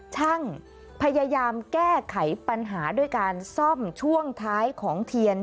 ช่างพยายามแก้ไขปัญหาด้วยการซ่อมช่วงท้ายของเทียน